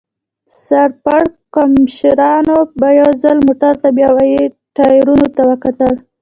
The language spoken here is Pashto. سر پړکمشرانو به یو ځل موټر ته بیا به یې ټایرونو ته وکتل.